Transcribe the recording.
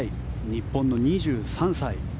日本の２３歳。